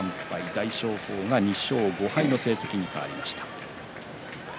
大翔鵬が２勝５敗の成績に変わりました。